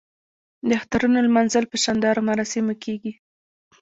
د اخترونو لمانځل په شاندارو مراسمو کیږي.